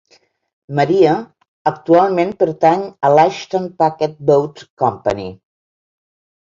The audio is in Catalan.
"Maria" actualment pertany a l'Ashton Packet Boat Company.